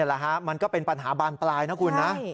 แหละฮะมันก็เป็นปัญหาบานปลายนะคุณนะ